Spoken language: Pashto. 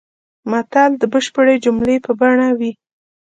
متل د بشپړې جملې په بڼه وي